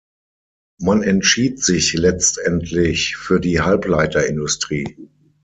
Man entschied sich letztendlich für die Halbleiterindustrie.